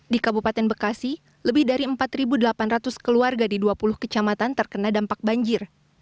di kabupaten bekasi lebih dari empat delapan ratus keluarga di dua puluh kecamatan terkena dampak banjir